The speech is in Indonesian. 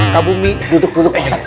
kalau bumi duduk duduk pak ustadz